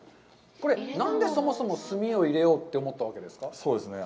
これ、何でそもそも炭を入れようと思ったわけですか。